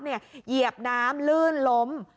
เหยียบน้ำลื่นล้ม